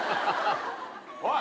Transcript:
おい。